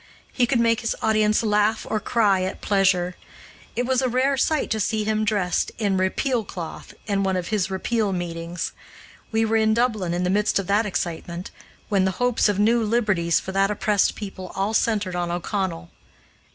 He could make his audience laugh or cry at pleasure. It was a rare sight to see him dressed in "Repeal cloth" in one of his Repeal meetings. We were in Dublin in the midst of that excitement, when the hopes of new liberties for that oppressed people all centered on O'Connell.